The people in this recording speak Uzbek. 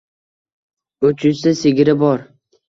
Uch yuzta sigiri bor.